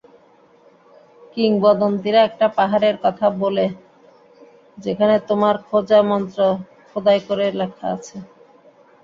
কিংবদন্তিরা একটা পাহাড়ের কথা বলে যেখানে তোমার খোঁজা মন্ত্র খোদাই করে লেখা আছে।